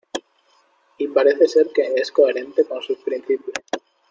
y parece ser que es coherente con sus principios.